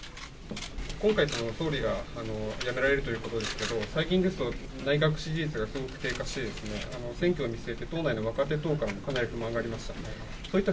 今回、総理が辞められるということですけど、最近ですと内閣支持率がすごく低下してですね、選挙を見据えて党内の若手からもかなり不満がありました。